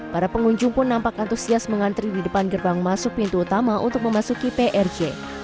para pengunjung pun nampak antusias mengantri di depan gerbang masuk pintu utama untuk memasuki prj